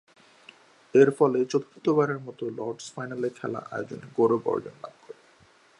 এরফলে চতুর্থবারের মতো Lord's final খেলা আয়োজনের গৌরব লাভ করে।